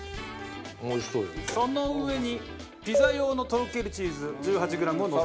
その上にピザ用のとろけるチーズ１８グラムをのせます。